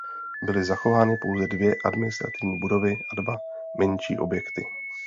Byly zachovány pouze dvě administrativní budovy a dva menší objekty.